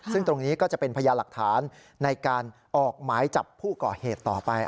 ซึ่งตรงนี้ก็จะเป็นพยาหลักฐานในการออกหมายจับผู้ก่อเหตุต่อไป